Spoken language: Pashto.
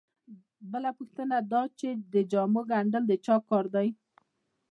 بله پوښتنه دا چې د جامو ګنډل د چا کار دی